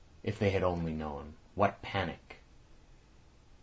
If they had only known! What a panic!